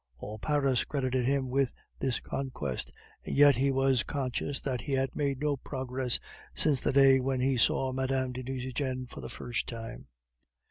All Paris credited him with this conquest, and yet he was conscious that he had made no progress since the day when he saw Mme. de Nucingen for the first time.